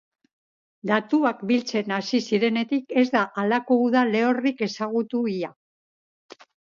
Datuak biltzen hasi zirenetik ez da halako uda lehorrik ezagutu ia.